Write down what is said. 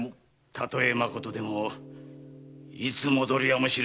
たとえ真でもいつ戻るやもしれぬぞ。